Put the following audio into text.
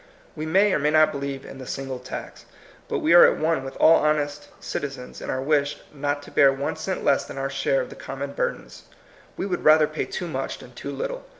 We may or may not believe in ^^the single tax." But we are at one with all honest citizens in our wish not to bear one cent less than our share of the common burdens. We would rather pay too much than too little.